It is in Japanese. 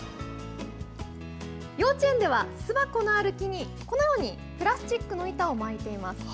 幼稚園では巣箱のある木にこのようにプラスチックの板を巻いています。